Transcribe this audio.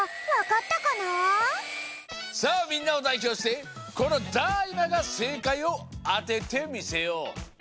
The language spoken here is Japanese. さあみんなをだいひょうしてこのＤＡ−ＩＭＡがせいかいをあててみせよう。